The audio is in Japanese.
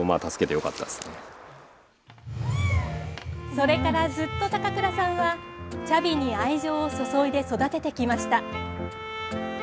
それからずっと高倉さんはチャビに愛情を注いで育ててきました。